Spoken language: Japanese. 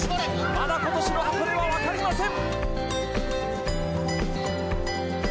まだ今年の箱根はわかりません！